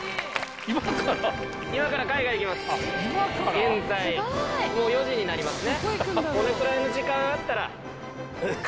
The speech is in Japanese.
現在もう４時になりますね。